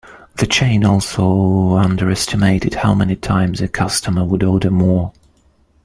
The chain also underestimated how many times a customer would order more.